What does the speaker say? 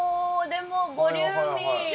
でもボリューミー。